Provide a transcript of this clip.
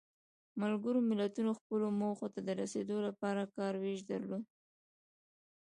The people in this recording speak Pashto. ملګرو ملتونو خپلو موخو ته د رسیدو لپاره کار ویش درلود.